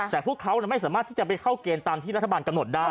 แต่พวกเขาไม่สามารถที่จะไปเข้าเกณฑ์ตามที่รัฐบาลกำหนดได้